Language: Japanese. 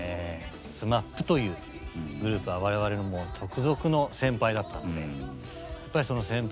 ＳＭＡＰというグループは我々のもう直属の先輩だったのでやっぱりその先輩